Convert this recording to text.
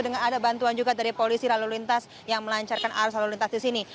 dengan ada bantuan juga dari polisi lalu lintas yang melancarkan arus lalu lintas di sini